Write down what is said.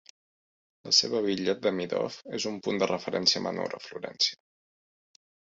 La seva Villa Demidoff és un punt de referència menor a Florència.